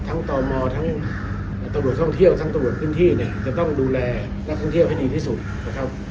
ตมทั้งตำรวจท่องเที่ยวทั้งตำรวจพื้นที่เนี่ยจะต้องดูแลนักท่องเที่ยวให้ดีที่สุดนะครับ